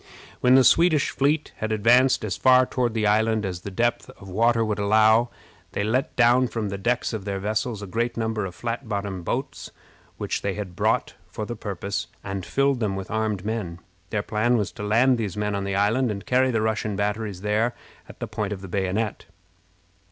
When the Swedish fleet had advanced as far toward the island as the depth of the water would allow, they let down from the decks of their vessels a great number of flat bottomed boats, which they had brought for the purpose, and filled them with armed men. Their plan was to land these men on the island, and carry the Russian batteries there at the point of the bayonet.